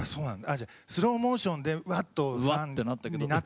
じゃあ「スローモーション」でうわっとファンになった人は。